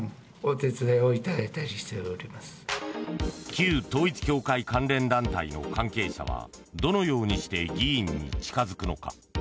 旧統一教会関連団体の関係者はどのようにして議員に近付くのか。